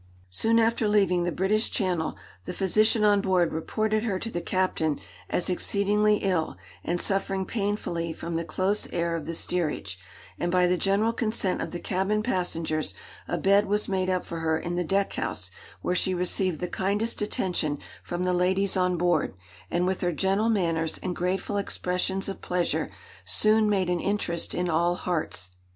Soon after leaving the British Channel, the physician on board reported her to the captain as exceedingly ill, and suffering painfully from the close air of the steerage; and by the general consent of the cabin passengers, a bed was made up for her in the deck house, where she received the kindest attention from the ladies on board; and with her gentle manners and grateful expressions of pleasure, soon made an interest in all hearts.